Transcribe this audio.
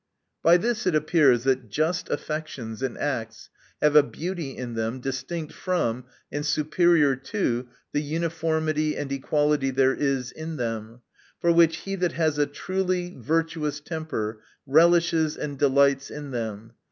By this it appears, that just affections and acts have a beauty in them, dis tinct from, and superior to, the uniformity and equality there is in them ; for which, he that has a truly virtuous temper, relishes and delights in them.